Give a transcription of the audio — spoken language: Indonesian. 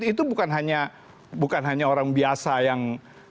itu bukan hanya orang biasa yang